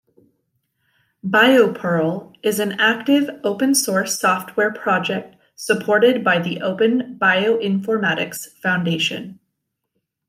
BioPerl is an active open source software project supported by the Open Bioinformatics Foundation.